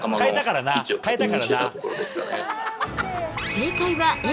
正解はＡ。